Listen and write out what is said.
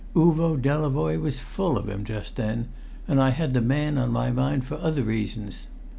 Uvo Delavoye was full of him just then, and I had the man on my mind for other reasons.